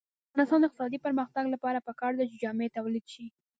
د افغانستان د اقتصادي پرمختګ لپاره پکار ده چې جامې تولید شي.